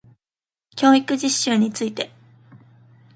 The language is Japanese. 教育実習について